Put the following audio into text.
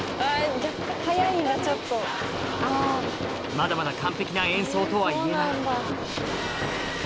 まだまだ完璧な演奏とはいえない